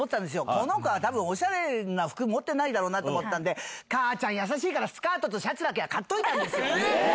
この子はたぶん、おしゃれな服、持ってないだろうなと思ったんで、母ちゃん優しいから、スカートと優しい。